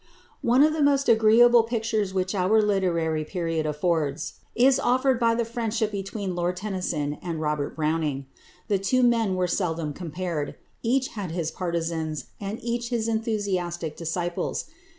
One of the most agreeable pictures which our literary period affords is offered by the friendship between Lord Tennyson and Robert Browning. The two men were not seldom compared; each had his partisans, and each his enthusiastic disciples.